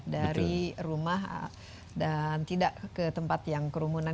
dari rumah dan tidak ke tempat yang kerumunan